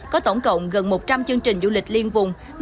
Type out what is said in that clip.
có tổng cộng gần một trăm linh chương trình du lịch liên vùng